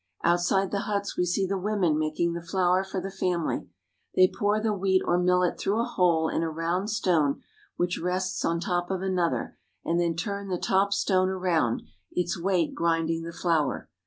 Outside the huts we see the women making the flour for the family. They pour the wheat or millet through a hole in a round stone which rests on top of another, and then turn the top stone around, its weight grinding the flour.